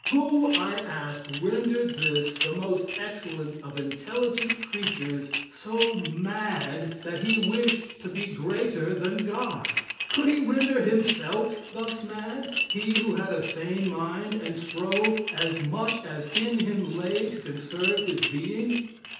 Who, I ask, rendered this the most excellent of intelligent creatures so mad, that he wished to be greater than God? Could he render himself thus mad he who had a sane mind, and strove as much as in him lay to conserve his being?